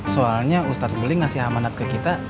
soalnya ustadz guling ngasih amanat ke kita